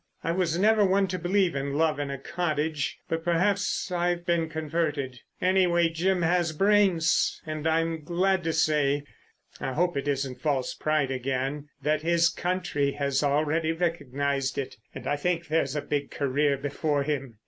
I was never one to believe in love in a cottage, but perhaps I've been converted. Anyway Jim has brains, and I'm glad to say—I hope it isn't false pride again—that his country has already recognised it, and I think there's a big career before him.